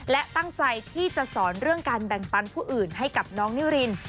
และตั้งใจที่จะสอนเรื่องการแบ่งปันผู้อื่นให้กับน้องนิริน